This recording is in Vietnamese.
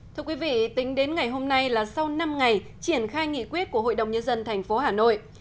thưa quý vị tính đến ngày hôm nay là sau năm ngày triển khai nghị quyết của hội đồng nhân dân tp hà nội